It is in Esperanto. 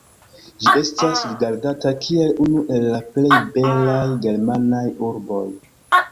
Ĝi estas rigardata kiel unu el la plej belaj germanaj urboj.